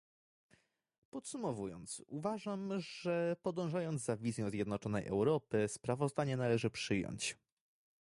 Podsumowując, uważam, że podążając za wizją zjednoczonej Europy, sprawozdanie należy przyjąć